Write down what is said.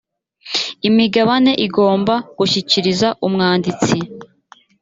imigabane igomba gushyikiriza umwanditsi